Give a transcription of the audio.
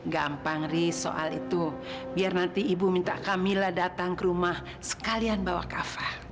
gampang ris soal itu biar nanti ibu minta kamila datang ke rumah sekalian bawa kava